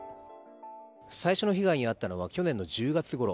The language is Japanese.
最初の被害に遭ったのは去年の１０月ごろ。